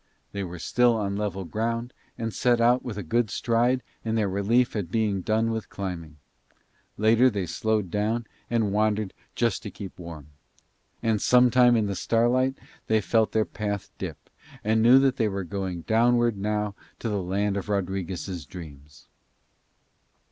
They were still on level ground and set out with a good stride in their relief at being done with climbing. Later they slowed down and wandered just to keep warm. And some time in the starlight they felt their path dip, and knew that they were going downward now to the land of Rodriguez' dreams.